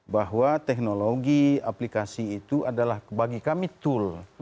bahwa teknologi aplikasi itu adalah bagi kami tool